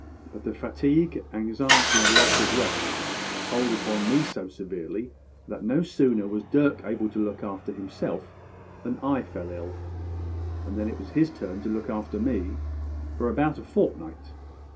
But the fatigue, anxiety, and loss of rest told upon me so severely that no sooner was Dirk able to look after himself than I fell ill; and then it was his turn to look after me for about a fortnight.